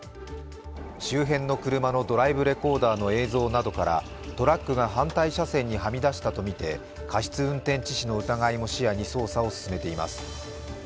周辺の車のドライブレコーダーの映像などからトラックが反対車線にはみ出したとみて過失運転致死の疑いも視野に捜査を進めています。